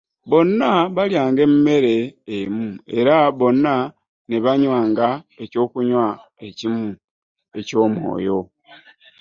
Bonna balyanga emmere emu era bonna ne banywanga ekyokunywa ekimu eky'omwoyo.